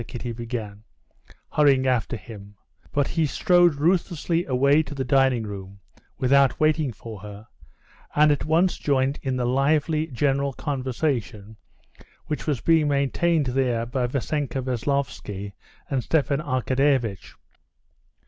Kitty began, hurrying after him, but he strode ruthlessly away to the dining room without waiting for her, and at once joined in the lively general conversation which was being maintained there by Vassenka Veslovsky and Stepan Arkadyevitch.